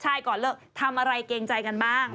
ใช่ก่อนเลิกทำอะไรเกรงใจกันบ้าง